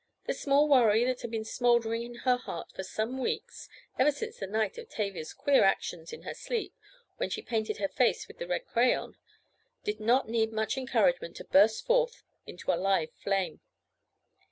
The small worry that had been smouldering in her heart for some weeks (ever since the night of Tavia's queer actions in her sleep when she painted her face with the red crayon) did not need much encouragement to burst forth into a live flame.